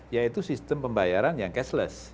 yaitu sistem pembayaran yang cashless